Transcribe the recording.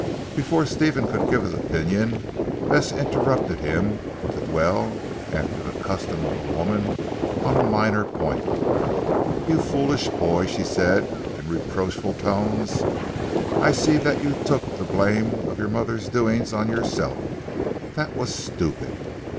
Before Stephen could give his opinion, Bess interrupted him, to dwell, after the custom of a woman, on a minor point. "You foolish boy," she said in reproachful tones. "I see that you took the blame of your mother's doings on yourself. That was stupid.